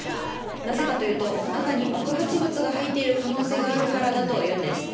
なぜかというと中に爆発物が入っている可能性があるからだというんです。